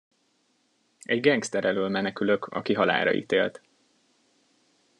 Egy gengszter elől menekülök, aki halálra ítélt.